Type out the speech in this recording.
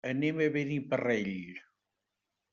Anem a Beniparrell.